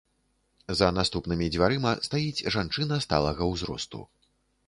За наступнымі дзвярыма стаіць жанчына сталага ўзросту.